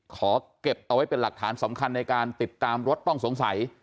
ขอเก็บเอาไว้เป็นหลักฐานสำคัญในการติดตามรถต้องสงสัย